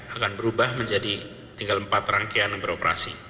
akan berubah menjadi tinggal empat rangkaian yang beroperasi